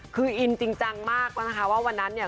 คืออินจริงจังมากแล้วนะคะว่าวันนั้นเนี่ย